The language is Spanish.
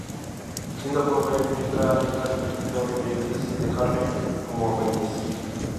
Siendo joven, entra en casa del pintor Jacques de Haarlem como aprendiz.